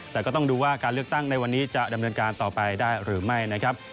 แต่ก็ต้องดูว่าการเลือกตั้งในวันนี้จะดำเนินการต่อไปได้หรือไม่นะครับ